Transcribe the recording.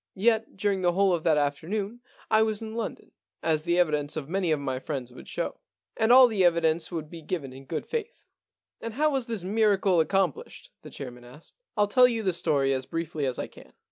Yet during the whole of that afternoon I was in London, as the evidence of many of my friends would show. And all the evidence would be given in good faith.* * And how was this miracle accomplished ?* the chairman asked. * ril tell you the story as briefly as I can.